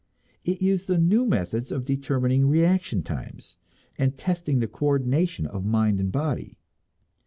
It used the new methods of determining reaction times, and testing the coordination of mind and body.